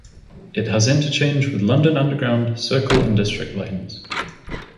It has interchange with London Underground Circle and District lines.